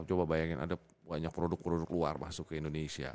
coba bayangin ada banyak produk produk luar masuk ke indonesia